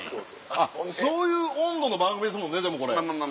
あっそういう温度の番組ですもんねでもこれ。